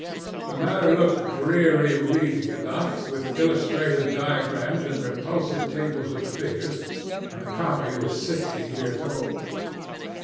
The matter looked dreary reading enough, with illustrative diagrams and repulsive tables of figures, and the copy was sixty years old.